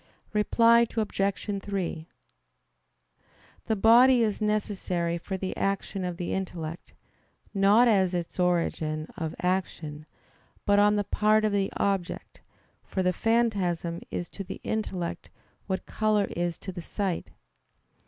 Reply Obj. 3: The body is necessary for the action of the intellect, not as its origin of action, but on the part of the object; for the phantasm is to the intellect what color is to the sight.